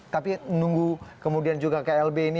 tapi nunggu kemudian juga klb ini